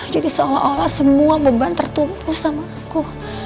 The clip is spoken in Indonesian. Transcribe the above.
jadi seolah olah semua beban tertumpu sama aku